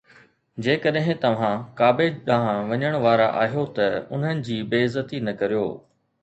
جيڪڏهن توهان ڪعبي ڏانهن وڃڻ وارا آهيو ته انهن جي بي عزتي نه ڪريو